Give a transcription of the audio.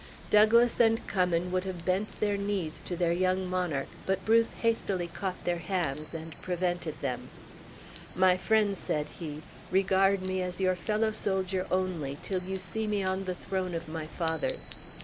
Douglas and Cummin would have bent their knees to their young monarch, but Bruce hastily caught their hands, and prevented them: "My friends," said he, "regard me as your fellow soldier only, till you see me on the throne of my fathers.